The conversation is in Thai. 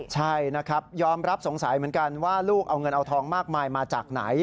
ใช่นะครับยอมรับสงสัยเหมือนกันว่าลูกเอาเงินเอาทองมากมายมาจากไหน